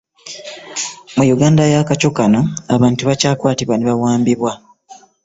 Mu Uganda eya kaco kano, abantu bakyakwatibwa ne bawambibwa.